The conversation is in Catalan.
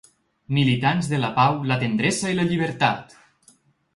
Militants de la pau, la tendresa i la llibertat!